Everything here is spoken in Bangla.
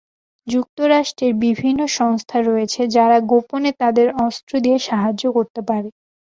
যুক্তরাষ্ট্রের বিভিন্ন সংস্থা রয়েছে যারা গোপনে তাদের অস্ত্র দিয়ে সাহায্য করতে পারে।